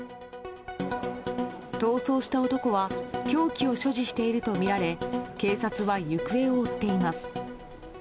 逃走した男は凶器を所持しているとみられ警察は行方を追っています。